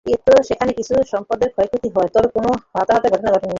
এতে সেখানে কিছু সম্পদের ক্ষয়ক্ষতি হয় তবে কোনো হতাহতের ঘটনা ঘটেনি।